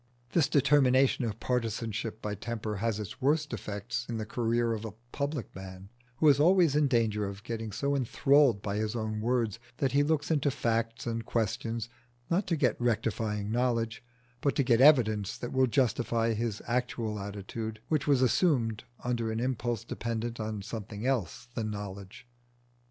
This determination of partisanship by temper has its worst effects in the career of the public man, who is always in danger of getting so enthralled by his own words that he looks into facts and questions not to get rectifying knowledge, but to get evidence that will justify his actual attitude which was assumed under an impulse dependent on something else than knowledge.